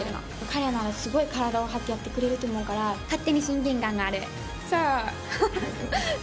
彼ならすごい体を張ってやってくれると思うから勝手に親近感がある、そう。